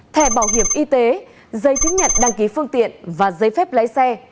thẻ bảo hiểm y tế giấy thức nhận đăng ký phương tiện và giấy phép lấy xe